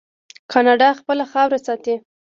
کاناډا خپله خاوره ساتي.